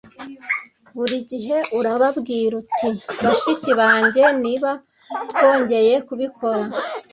buri gihe urababwira uti bashiki banjye niba twongeye kubikora